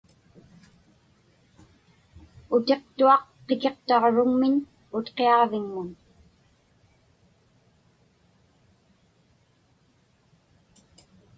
Utiqtuaq Qikiqtaġruŋmiñ Utqiaġviŋmun.